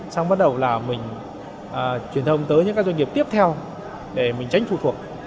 xong bắt đầu là mình truyền thông tới những các doanh nghiệp tiếp theo để mình tránh phụ thuộc